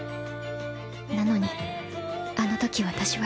なのにあのとき私は